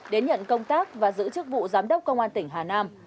đến nhận công tác và giữ chức vụ giám đốc công an tỉnh hà nam